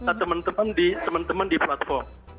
atau teman teman di platform